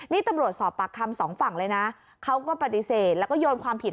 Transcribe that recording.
นี่ตำรวจสอบปากคำสองฝั่งเลยนะเขาก็ปฏิเสธแล้วก็โยนความผิด